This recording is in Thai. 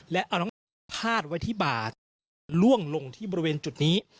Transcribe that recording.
และเอาน้องน้องน้ำพาดไว้ที่บ่าล่วงลงที่บริเวณจุดนี้